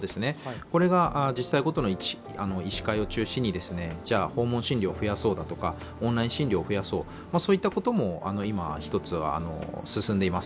これが自治体ごとの医師会を中心に、じゃあ訪問診療を増やそうとかオンライン診療を増やそうということも今一つは進んでいます。